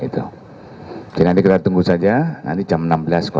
jadi nanti kita tunggu saja nanti jam enam belas di polda metro